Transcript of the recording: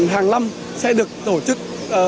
hàng năm sẽ được tổ chức